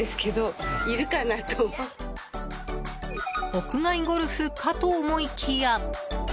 屋外ゴルフかと思いきや。